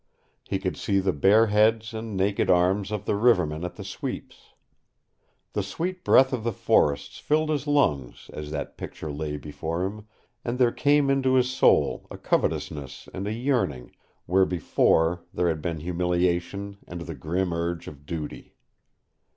He could see the bare heads and naked arms of the rivermen at the sweeps. The sweet breath of the forests filled his lungs, as that picture lay before him, and there came into his soul a covetousness and a yearning where before there had been humiliation and the grim urge of duty.